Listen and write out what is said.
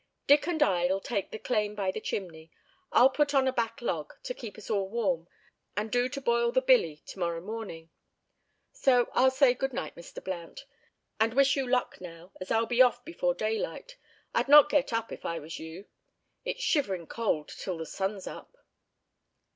"Dick and I'll take the claim by the chimney. I'll put on a back log, to keep us all warm, and do to boil the billy to morrow morning. So I'll say good night, Mr. Blount, and wish you luck now, as I'll be off before daylight. I'd not get up, if I was you, it's shivering cold till the sun's up."